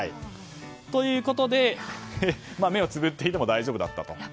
ということで、目をつぶっていても大丈夫だったと。